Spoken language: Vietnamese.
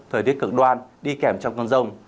thời tiết cực đoan đi kèm trong cơn rông